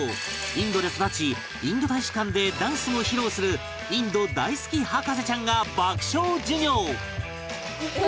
インドで育ちインド大使館でダンスを披露するインド大好き博士ちゃんが爆笑授業